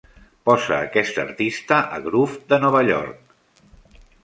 Posa aquest artista a Groove de Nova York.